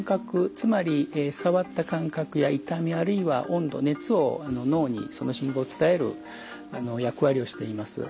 つまり触った感覚や痛みあるいは温度熱を脳にその信号を伝える役割をしています。